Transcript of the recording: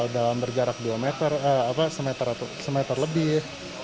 dalam berjarak satu meter lebih